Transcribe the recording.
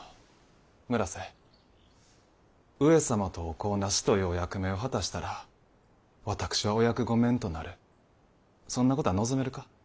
上様とお子をなすというお役目を果たしたら私はお役御免となるそんなことは望めるか。